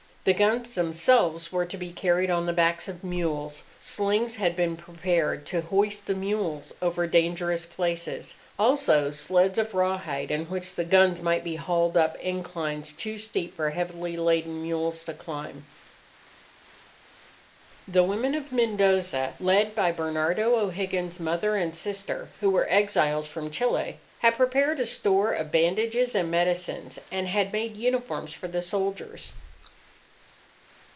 The guns themselves were to be carried on the backs of mules. Slings had been prepared to hoist the mules over dangerous places; also sleds of rawhide in which the guns might be hauled up inclines too steep for heavily laden mules to climb. The women of Mendoza, led by Bernardo O'Higgins's mother and sister who were exiles from Chile, had prepared a store of bandages and medicines, and had made uniforms for the soldiers.